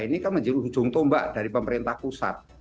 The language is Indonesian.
sehingga dia itu harus bertanggung jawab terhadap daerah pusat